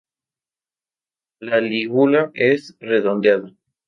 La lígula es redondeada.